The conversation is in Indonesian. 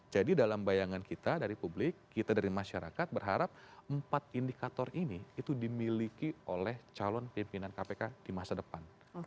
jadi dalam bayangan kita dari publik kita dari masyarakat berharap empat indikator ini dimiliki oleh calon pimpinan kpk di masa depan